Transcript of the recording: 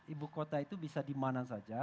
ibu kota itu bisa dimana saja